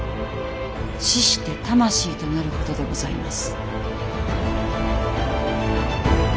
死して魂となることでございます。